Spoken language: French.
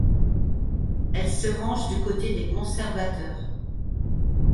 Elle se range du côté des conservateurs.